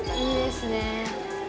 いいですね。